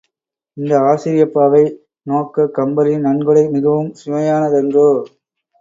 இந்த ஆசிரியப்பாவை நோக்கக் கம்பரின் நன்கொடை மிகவும் சுவையானதன்றோ!